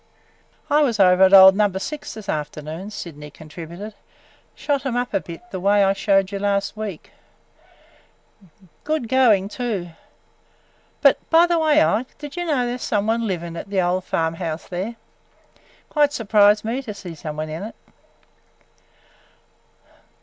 "I was over at old Number Six this afternoon," Sydney contributed. "Shot 'em up a bit the way I showed you last week. Good going, too. But, by the way, Ike, did you know there 's some one living at the old farm house there? Quite surprised me to see some one in it!"